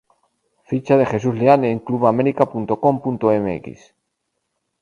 Ficha de Jesús Leal en clubamerica.com.mx